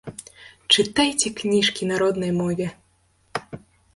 Чытайце кніжкі на роднай мове!